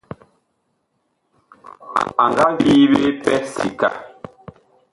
A nga vii ɓe pɛ sika.